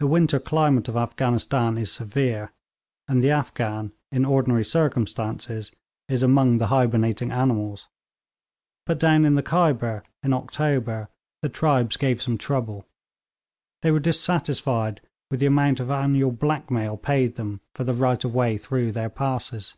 The winter climate of Afghanistan is severe, and the Afghan, in ordinary circumstances, is among the hibernating animals. But down in the Khyber, in October, the tribes gave some trouble. They were dissatisfied with the amount of annual black mail paid them for the right of way through their passes.